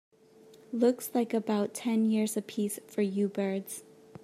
Looks like about ten years a piece for you birds.